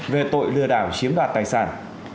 về tội lừa đảo chiếm đoạt tài sản